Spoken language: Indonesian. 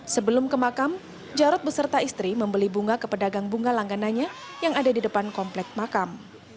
sebelum ke makam jarod beserta istri membeli bunga ke pedagang bunga langganannya yang ada di depan komplek makam